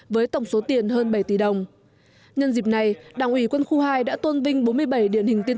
với tổng số tiền hơn bảy tỷ đồng nhân dịp này đảng ủy quân khu hai đã tôn vinh bốn mươi bảy điển hình tiên